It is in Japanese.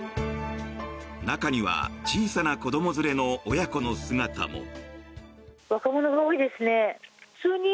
中には小さな子ども連れの親子の姿も。